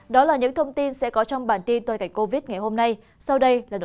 đó là những thông tin sẽ có trong bản tin tòa cảnh covid ngày hôm nay sau đây là nội dung trí tiết